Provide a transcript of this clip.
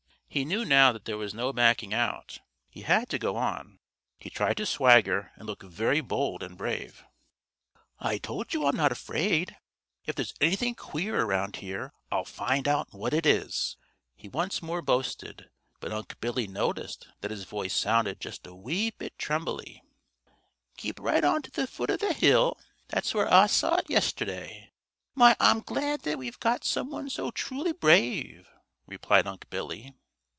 He knew now that there was no backing out; he had got to go on. He tried to swagger and look very bold and brave. "I told you I'm not afraid. If there's anything queer around here, I'll find out what it is," he once more boasted, but Unc' Billy noticed that his voice sounded just a wee bit trembly. "Keep right on to the foot of the hill; that's where Ah saw it yesterday. My, Ah'm glad that we've got some one so truly brave!" replied Unc' Billy.